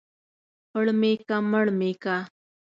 پړ مى که مړ مى که.